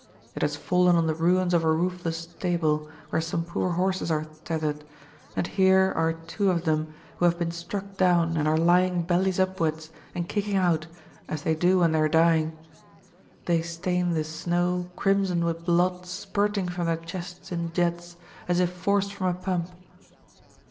It has fallen on the ruins of a roofless stable, where some poor horses are tethered, and here are two of them who have been struck down and are lying bellies upwards and kicking out, as they do when they are dying; they stain the snow crimson with blood spurting from their chests in jets, as if forced from a pump.